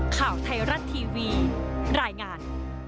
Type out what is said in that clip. ข่าวไทยรัฐทีวีรายงาน